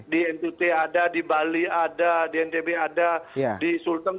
di ntt ada di bali ada di ntb ada di sulteng